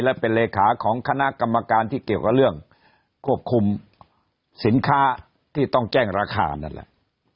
และเป็นเลขาของคณะกรรมการที่เกี่ยวกับเรื่องควบคุมสินค้าที่ต้องแจ้งราคานั่นแหละ